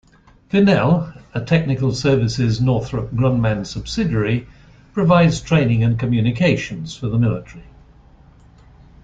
Vinnell, a Technical Services Northrop Grumman subsidiary, provides training and communications for the military.